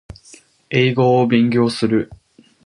英語を勉強する